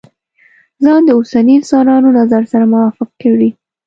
ځان د اوسنيو انسانانو نظر سره موافق کړي.